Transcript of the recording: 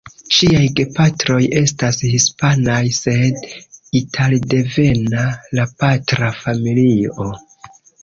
Ŝiaj gepatroj estas hispanaj sed italdevena la patra familio.